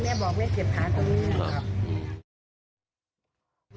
แม่บอกแม่เก็บขาตรงนี้นะครับ